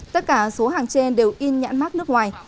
tất cả số hàng trên đều in nhãn mát nước ngoài